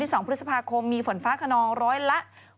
พี่ชอบแซงไหลทางอะเนาะ